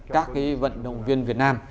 các cái vận động viên việt nam